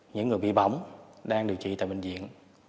những người bị bỏng đang điều trị tại bệnh viện